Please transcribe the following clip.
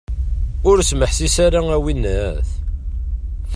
Ur tesmeḥsiseḍ ara, a winnat!